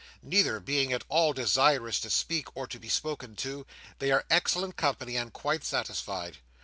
Neither being at all desirous to speak, or to be spoken to, they are excellent company, and quite satisfied.